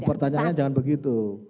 pertanyaannya jangan begitu